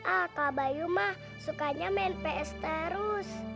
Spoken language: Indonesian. ah kak bayu mah sukanya main ps terus